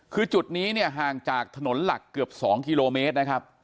คือจุดนี้เนี่ยห่างจากถนนหลักเกือบ๒กิโลเมตรนะครับ